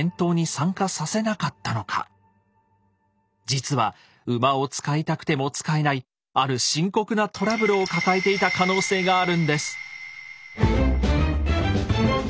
実は馬を使いたくても使えないある深刻なトラブルを抱えていた可能性があるんです。